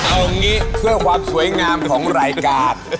เอางี้เพื่อความสวยงามของรายการ